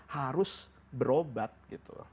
harus berobat gitu